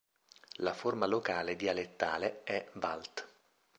La forma locale dialettale è "Walt".